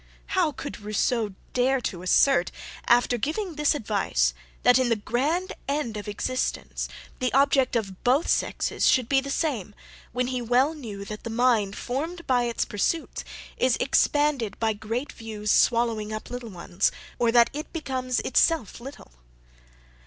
How could Rousseau dare to assert, after giving this advice, that in the grand end of existence, the object of both sexes should be the same, when he well knew, that the mind formed by its pursuits, is expanded by great views swallowing up little ones, or that it becomes itself little?